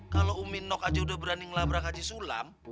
kalau umi nok aja udah berani ngelabrak haji sulam